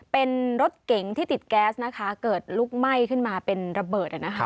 เป็นรถเก๋งที่ติดแก๊สนะคะเกิดลุกไหม้ขึ้นมาเป็นระเบิด